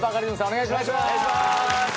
お願いします。